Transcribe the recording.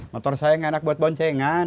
motor saya nggak enak buat boncengan